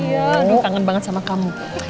aduh kangen banget sama kamu